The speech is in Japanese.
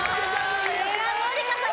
紀香さん